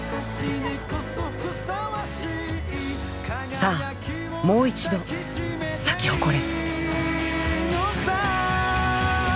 さあもう一度咲き誇れ。